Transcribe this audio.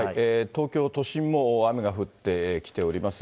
東京都心も雨が降ってきております。